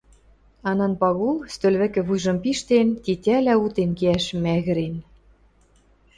Анан Пагул, стӧл вӹкӹ вуйжым пиштен, тетялӓ утен кеӓш мӓгӹрен...